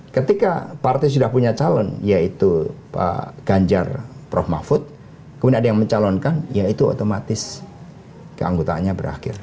ketika partai sudah punya calon yaitu pak ganjar prof mahfud kemudian ada yang mencalonkan ya itu otomatis keanggotaannya berakhir